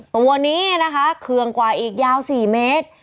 ตัวนี้นะคะเคืองกว่าอีกยาว๔เมตร